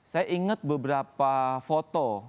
saya ingat beberapa foto